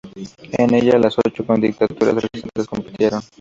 En ella, las ocho candidaturas restantes compitieron.